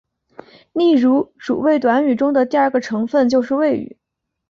例如主谓短语中的第二个成分就是谓语。